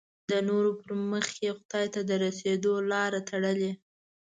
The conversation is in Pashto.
د نورو پر مخ یې خدای ته د رسېدو لاره تړلې.